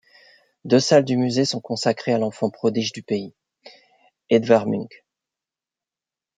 Deux salles du musée sont consacrées à l'enfant prodige du pays, Edvard Munch.